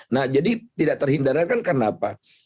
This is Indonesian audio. nah jadi tidak terhindarkan karena apa